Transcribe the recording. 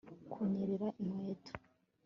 kunyerera inkweto